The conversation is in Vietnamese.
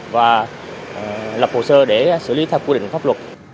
và lập hồ sơ để xử lý theo quy định pháp luật